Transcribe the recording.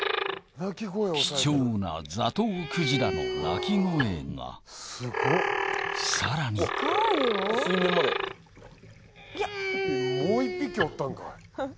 貴重なザトウクジラの鳴き声がさらにもう１匹おったんかい。